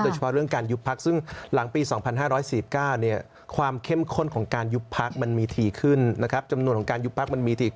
โดยเฉพาะเรื่องการยุบพักซึ่งหลังปี๒๕๔๙เนี่ยความเข้มข้นของการยุบพักมันมีทีขึ้นนะครับ